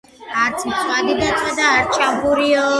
არც მწვადი დაწვა არც შამფურიო.